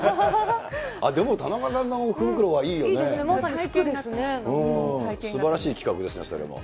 でも、田中さんの福袋はいいいいですね、すばらしい企画ですね、それも。